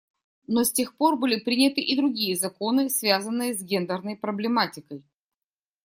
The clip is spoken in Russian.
Но с тех пор были приняты и другие законы, связанные с гендерной проблематикой.